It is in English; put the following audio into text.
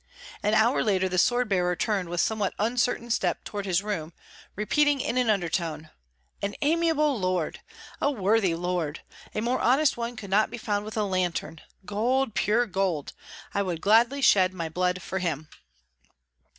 An hour later the sword bearer turned with somewhat uncertain step toward his room, repeating in an undertone, "An amiable lord! A worthy lord! A more honest one could not be found with a lantern, gold, pure gold! I would gladly shed my blood for him!"